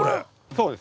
そうです。